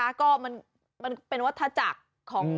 เฮ้ยเฮ้ยเฮ้ยเฮ้ยเฮ้ย